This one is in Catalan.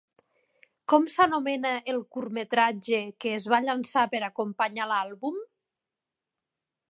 Com s'anomena el curtmetratge que es va llançar per acompanyar l'àlbum?